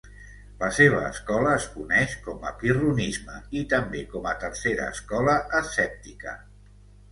La seva escola es coneix com a Pirronisme i també com a tercera escola escèptica.